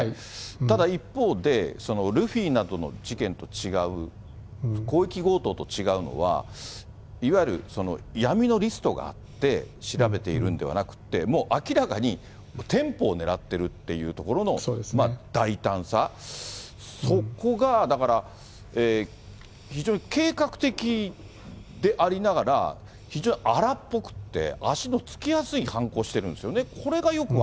ただ一方で、ルフィなどの事件と違う、広域強盗と違うのは、いわゆる闇のリストがあって、調べているんではなくて、もう明らかに店舗を狙ってるっていうところの大胆さ、そこがだから、非常に計画的でありながら、非常に荒っぽくって、足のつきやすい犯行してるんですよね。